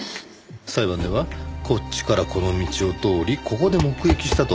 裁判ではこっちからこの道を通りここで目撃したと。